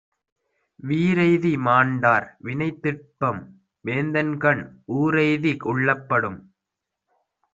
வீறெய்தி மாண்டார் வினைத்திட்பம், வேந்தன்கண் ஊறெய்தி உள்ளப்படும்.